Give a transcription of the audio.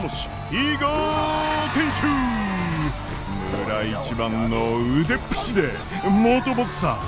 村一番の腕っぷしで元ボクサー！